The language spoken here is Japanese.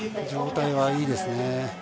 状態はいいですね。